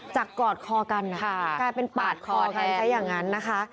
จากกอดคอกันเป็นปาดคอกันแค่อย่างนั้นนะคะ